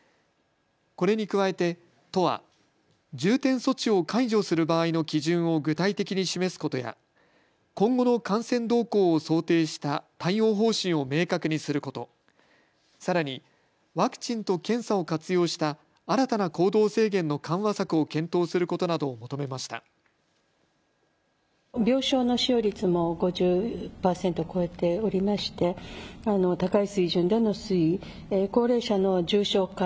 これに加えて都は重点措置を解除する場合の基準を具体的に示すことや今後の感染動向を想定した対応方針を明確にすること、さらに、ワクチンと検査を活用した新たな行動制限の緩和策を検討することなどを求めました。